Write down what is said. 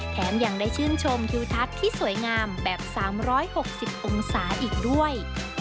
แถมยังได้ชื่นชมทิวทัศน์ที่สวยงามแบบ๓๖๐องศาอีกด้วย